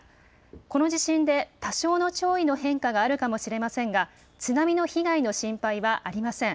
この地震で多少の潮位の変化があるかもしれませんが津波の被害の心配はありません。